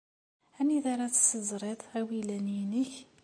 Anida ara ad tessezriṭ awilan-inek.